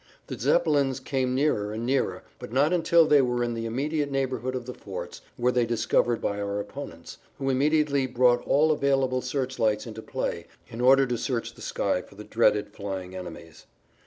The Zeppelins came nearer and nearer, but not until they were in the immediate neighborhood of the forts were they discovered by our opponents, who immediately brought all available searchlights into play in order to search the sky for the dreaded flying enemies.